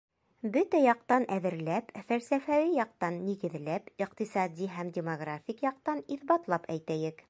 Бөтә яҡтан әҙерләп, фәлсәфәүи яҡтан нигеҙләп, иҡтисади һәм демографик яҡтан иҫбатлап әйтәйек.